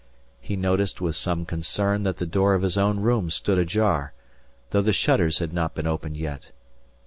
He noticed with some concern that the door of his own room stood ajar, though the shutters had not been opened yet.